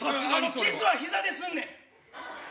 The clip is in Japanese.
キスは、ひざですんねん！